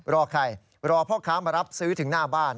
รอใครรอพ่อค้ามารับซื้อถึงหน้าบ้าน